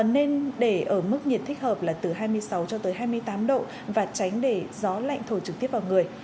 nên để ở mức nhiệt thích hợp là từ hai mươi sáu cho tới hai mươi tám độ và tránh để gió lạnh thổi trực tiếp vào người